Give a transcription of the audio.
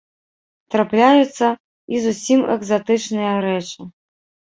Трапляюцца і зусім экзатычныя рэчы.